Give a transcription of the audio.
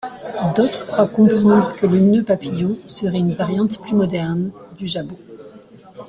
D'autres croient comprendre que le nœud papillon serait une variante plus moderne du Jabot.